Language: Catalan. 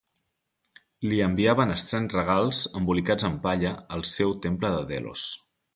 Li enviaven estranys regals embolicats amb palla al seu temple de Delos.